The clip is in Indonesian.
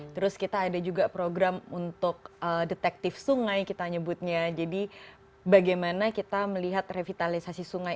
terus kita ada juga program untuk detektif sungai kita nyebutnya jadi bagaimana kita melihat revitalisasi sungai